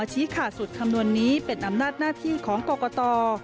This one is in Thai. ชี้ขาดสุดคำนวณนี้เป็นอำนาจหน้าที่ของกรกต